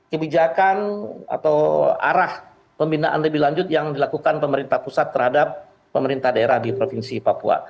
kebijakan atau arah pembinaan lebih lanjut yang dilakukan pemerintah pusat terhadap pemerintah daerah di provinsi papua